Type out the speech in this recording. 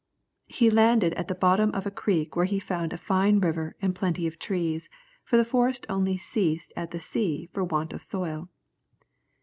He landed at the bottom of a creek where he found a fine river and plenty of trees, for the forest only ceased at the sea for want of soil.